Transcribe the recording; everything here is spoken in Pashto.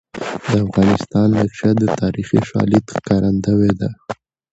د افغانستان نقشه د تاریخي شالید ښکارندوی ده.